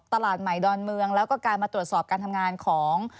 ตลาดใหม่ดอนเมืองแล้วก็การมาตรวจสอบการทำงานของ